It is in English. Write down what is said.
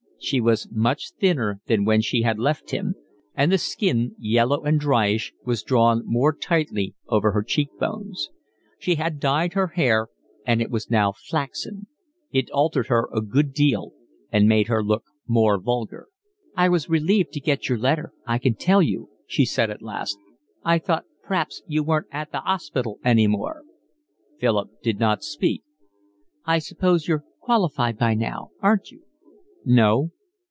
She was much thinner than when she had left him; and the skin, yellow and dryish, was drawn more tightly over her cheekbones. She had dyed her hair and it was now flaxen: it altered her a good deal, and made her look more vulgar. "I was relieved to get your letter, I can tell you," she said at last. "I thought p'raps you weren't at the 'ospital any more." Philip did not speak. "I suppose you're qualified by now, aren't you?" "No."